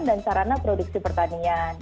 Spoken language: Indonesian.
dan sarana produksi pertanian